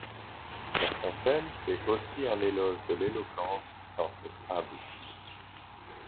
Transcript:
La Fontaine fait aussi un éloge de l'éloquence dans cette fable.